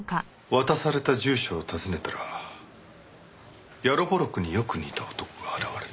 渡された住所を訪ねたらヤロポロクによく似た男が現れた。